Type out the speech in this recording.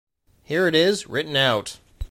Here it is, written out.